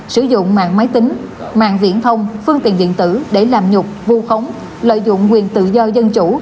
sử dụng mạng máy tính mạng viễn thông phương tiện điện tử để làm nhục vu khống lợi dụng quyền tự do dân chủ